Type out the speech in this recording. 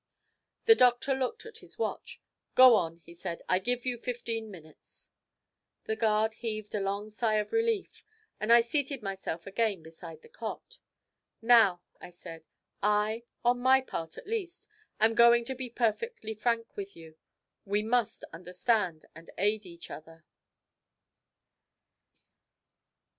The doctor looked at his watch. 'Go on,' he said; 'I give you fifteen minutes.' The guard heaved a long sigh of relief, and I seated myself again beside his cot. 'Now,' I said, 'I, on my part at least, am going to be perfectly frank with you. We must understand and aid each other.'